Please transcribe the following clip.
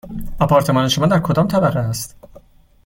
آپارتمان شما در کدام طبقه است؟